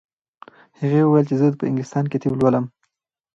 هغې وویل چې زه په انګلستان کې طب لولم.